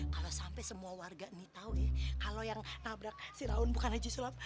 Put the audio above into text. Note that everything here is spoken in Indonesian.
kalau sampai semua warga ini tahu ya kalau yang nabrak si raun bukan aja sulap